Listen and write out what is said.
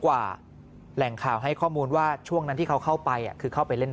กว่าแหล่งข่าวให้ข้อมูลว่าช่วงนั้นที่เขาเข้าไปคือเข้าไปเล่น